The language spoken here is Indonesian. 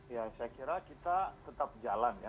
ya saya kira kita tetap jalan ya